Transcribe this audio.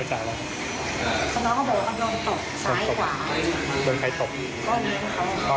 พ่อเรียนเขา